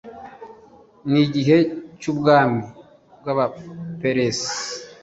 ni igihe cy’ubwami bw’abaperesi